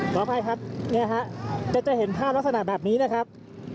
ขออภัยครับจะเห็นภาพลักษณะแบบนี้นะครับ